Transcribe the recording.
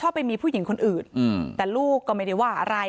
เพราะไม่เคยถามลูกสาวนะว่าไปทำธุรกิจแบบไหนอะไรยังไง